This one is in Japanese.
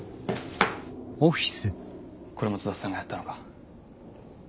これも津田さんがやったのか？